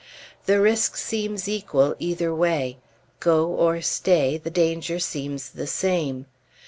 The risk seems equal, either way. Go or stay, the danger seems the same.